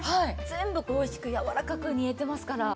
全部おいしくやわらかく煮えてますから。